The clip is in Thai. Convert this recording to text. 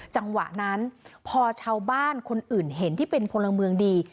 จังหวะนั้นพอชาวบ้านคนอื่นเห็นที่เป็นพลเมืองดี